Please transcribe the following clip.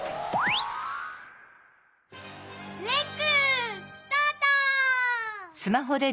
レックスタート！